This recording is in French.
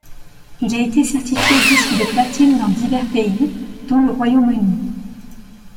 Il a été certifié disque de platine dans divers pays, dont le Royaume-Uni.